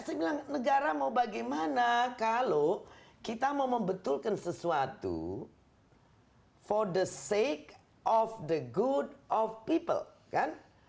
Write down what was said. saya bilang negara mau bagaimana kalau kita mau membetulkan sesuatu for the sake of the good of people kan